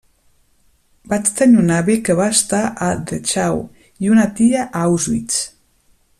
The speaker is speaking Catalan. Vaig tenir un avi que va estar a Dachau i una tia a Auschwitz.